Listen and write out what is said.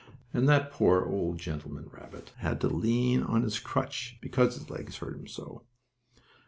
and that poor, old gentleman rabbit had to lean on his crutch, because his legs hurt him so.